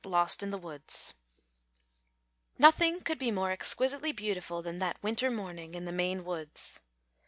LOST IN THE WOODS. Nothing could be more exquisitely beautiful than that winter morning in the Maine woods.